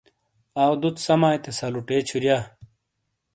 آؤ دُت سَمائی تے سَلُوٹے چھُرِیا۔